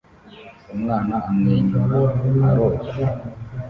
Umwana umwenyura aroga